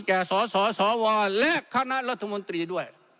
สสวและคณะรัฐมนตรีด้วย